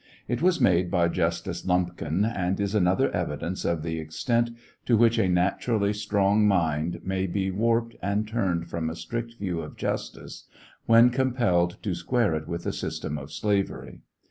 It was made by Justice Lumpkin, and is another evidence of the extent to which a naturally strong mind may be warped and turned from a strict view of justice when compelled to square it with a system of slavery.